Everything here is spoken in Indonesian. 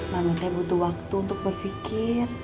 namun saya butuh waktu untuk berpikir